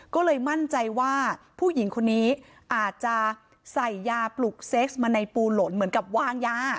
ก็เลยมั่นใจว่าผู้หญิงคนนี้อาจจะใส่ยาปลุกเซ็กซมาในปูหล่นเหมือนกับวางยา